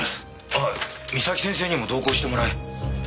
あっ岬先生にも同行してもらえ。